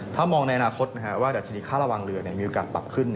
ถ้ามองในอนาคตว่าดัชนีค่าระวังเรือมีโอกาสปรับขึ้น